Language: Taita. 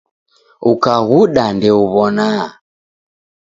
Ukaghuda ndeuw'onaa